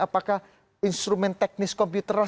apakah instrumen teknis komputer